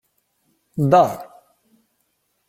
— Вдар!